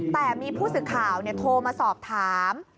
แต่มีผู้สึกข่าวเนี่ยโทรมาสอบถาม